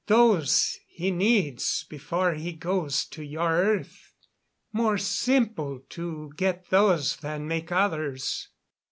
Those he needs before he goes to your earth. More simple to get those than make others."